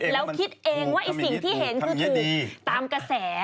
แล้วคิดเองว่าไอ้สิ่งที่เห็นคือถูกตามกระแส